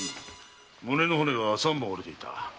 胸の骨が三本折れていた。